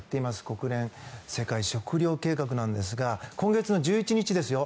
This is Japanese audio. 国連世界食糧計画なんですが今月の１１日ですよ。